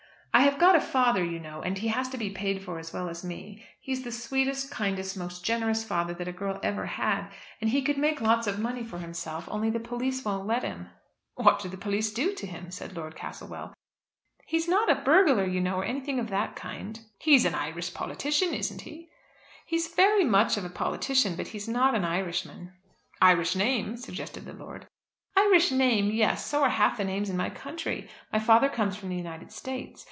"I have got a father, you know, and he has to be paid for as well as me. He is the sweetest, kindest, most generous father that a girl ever had, and he could make lots of money for himself, only the police won't let him." "What do the police do to him?" said Lord Castlewell. "He is not a burglar, you know, or anything of that kind." "He is an Irish politician, isn't he?" "He is very much of a politician; but he is not an Irishman." "Irish name," suggested the lord. "Irish name, yes; so are half the names in my country. My father comes from the United States.